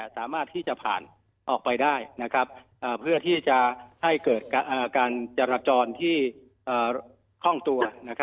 สามารถที่จะผ่านออกไปได้เพื่อที่จะให้เกิดการจราจรที่คล่องตัว